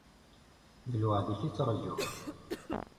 D lweɛd-ik i ttraǧuɣ.